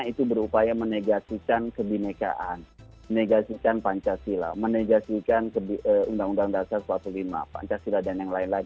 nah itu berupaya menegasikan kebimekaan menegasikan pancasila menegasikan undang undang dasar empat puluh lima pancasila dan yang lain lain